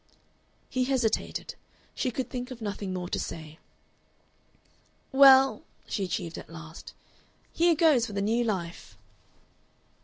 He hesitated. She could think of nothing more to say. "Well," she achieved at last. "Here goes for the new life!"